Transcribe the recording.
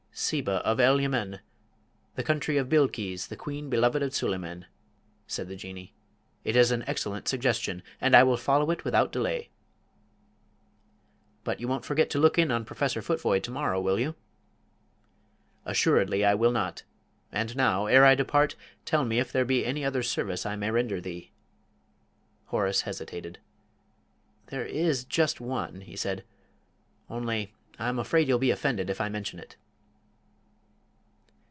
"Seba of El Yemen the country of Bilkees, the Queen beloved of Suleyman," said the Jinnee. "It is an excellent suggestion, and I will follow it without delay." "But you won't forget to look in on Professor Futvoye to morrow, will you?" "Assuredly I will not. And now, ere I depart, tell me if there be any other service I may render thee." Horace hesitated. "There is just one," he said, "only I'm afraid you'll be offended if I mention it."